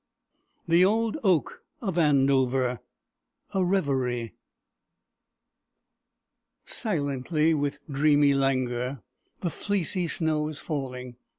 THE OLD OAK OF ANDOVER A REVERIE Silently, with dreamy languor, the fleecy snow is falling.